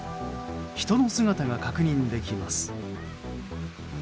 人の姿が確認できます。